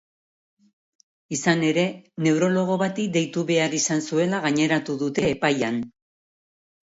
Izan ere, neurologo bati deitu behar izan zuela gaineratu dute epaian.